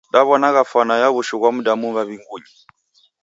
Daw'onagha fwana ya w'ushu ghwa mdamu maw'ingunyi.